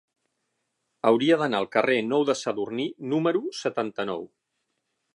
Hauria d'anar al carrer Nou de Sadurní número setanta-nou.